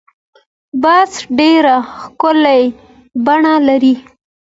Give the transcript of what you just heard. باز ډېر ښکلی بڼ لري